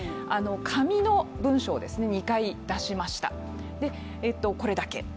紙の文書を２回出しました、これだけ。